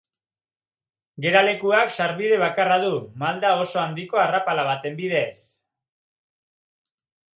Geralekuak sarbide bakarra du, malda oso handiko arrapala baten bidez.